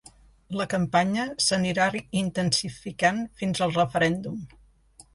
La campanya s’anirà intensificant fins al referèndum.